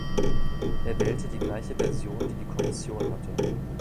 Er wählte die gleiche Version, die die Kommission hatte.